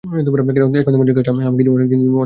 এখন তো মনে হচ্ছে, কাজটা আমাকে অনেক দিন ধরেই করতে হবে।